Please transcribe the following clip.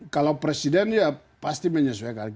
kalau presiden ya pasti menyesuaikan